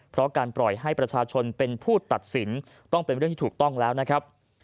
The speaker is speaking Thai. เพราะการปล่อยให้ประชาชนเป็นผู้ตัดสินต้องเป็นเรื่องที่ถูกต้องแล้วนะครับ